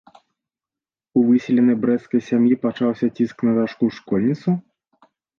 У выселенай брэсцкай сям'і пачаўся ціск на дачку-школьніцу?